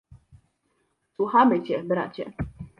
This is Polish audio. "Słuchamy cię, bracie."